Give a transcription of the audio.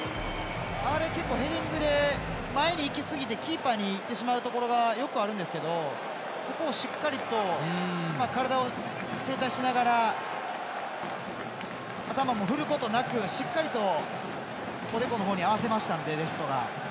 あれ、結構ヘディングで前にいきすぎてキーパーにいってしまうところがよくあるんですけどそこをしっかりと体を正対しながら頭も振ることなくしっかりと、おでこの方に合わせましたので、デストが。